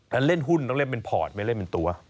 ถ้าเล่นหุ้นต้องเล่นเป็นพอร์ตไม่เล่นเป็นตัว